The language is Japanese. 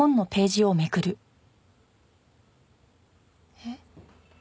えっ？